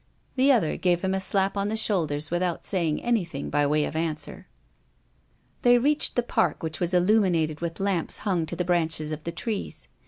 The other gave him a slap on the shoulder without saying anything by way of answer. They reached the park, which was illuminated with lamps hung to the branches of the trees.